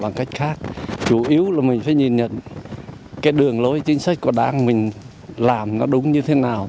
bằng cách khác chủ yếu là mình phải nhìn nhận cái đường lối chính sách của đảng mình làm nó đúng như thế nào